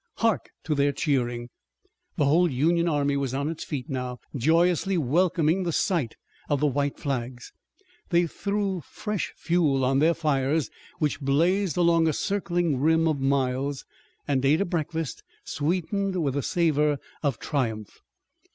Hark to their cheering." The whole Union army was on its feet now, joyously welcoming the sight of the white flags. They threw fresh fuel on their fires which blazed along a circling rim of miles, and ate a breakfast sweetened with the savor of triumph.